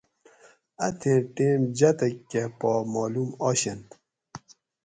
اتھیں ٹیم جاتک کہ پا مالوم آشینت